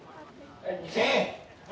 はい２００円で！